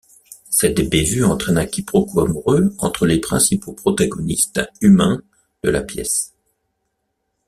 Cette bévue entraîne un quiproquo amoureux entre les principaux protagonistes humains de la pièce.